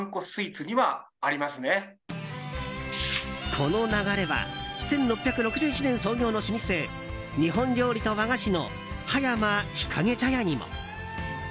この流れは１６６１年創業の老舗日本料理と和菓子の葉山日影茶屋にも。